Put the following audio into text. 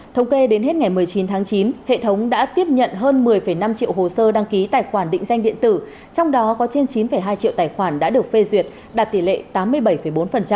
thống kê đến hết ngày một mươi chín tháng chín hệ thống đã tiếp nhận hơn một mươi năm triệu hồ sơ đăng ký tài khoản định danh điện tử trong đó có trên chín hai triệu tài khoản đã được phê duyệt đạt tỷ lệ tám mươi bảy bốn